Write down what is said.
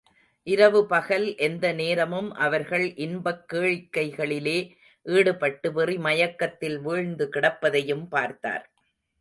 இரவு பகல் எந்த நேரமும் அவர்கள் இன்பக் கேளிக்கைகளிலே ஈடுபட்டு வெறி மயக்கத்தில் வீழ்ந்துகிடப்பதையும் பார்த்தார்.